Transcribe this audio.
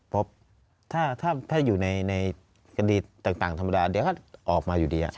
เพราะถ้าอยู่ในคดีต่างธรรมดาเดี๋ยวก็ออกมาอยู่ดี